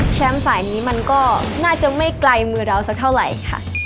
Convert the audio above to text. สายนี้มันก็น่าจะไม่ไกลมือเราสักเท่าไหร่ค่ะ